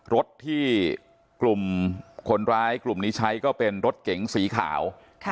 รถที่กลุ่มคนร้ายกลุ่มนี้ใช้ก็เป็นรถเก๋งสีขาว